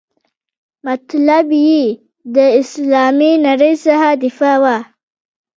مطلب یې د اسلامي نړۍ څخه دفاع وه.